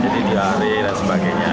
jadi diare dan sebagainya